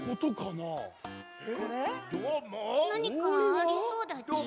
なにかありそうだち？